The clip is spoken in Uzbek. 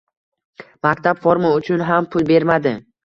Maktab forma uchun ham pul bermadi